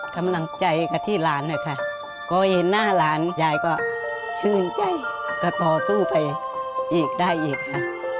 กำลังใจกับที่หลานนะคะพอเห็นหน้าหลานยายก็ชื่นใจก็ต่อสู้ไปอีกได้อีกค่ะ